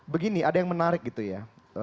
begini ada yang menarik gitu ya